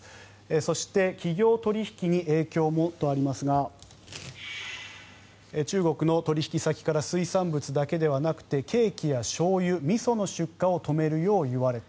そして、企業取引に影響もとありますが中国の取引先から水産物だけではなくてケーキやしょうゆ、みその出荷を止めるよう言われた。